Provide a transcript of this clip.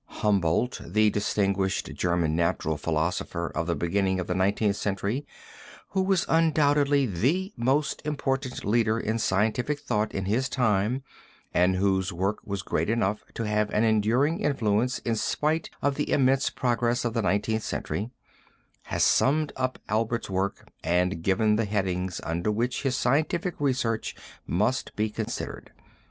Humboldt, the distinguished German natural philosopher of the beginning of the Nineteenth Century, who was undoubtedly the most important leader in scientific thought in his time and whose own work was great enough to have an enduring influence in spite of the immense progress of the Nineteenth Century, has summed up Albert's work and given the headings under which his scientific research must be considered.